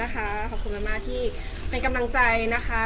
ขอบคุณมากที่เป็นกำลังใจนะคะ